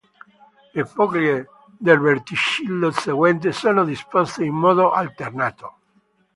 Le foglie del verticillo seguente sono disposte in modo alternato.